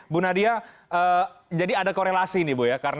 bu nadia jadi ada korelasi ini bu ya